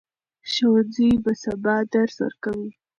ښوونکي به سبا درس ورکوي.